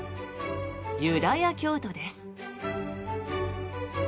ユダヤ教徒です。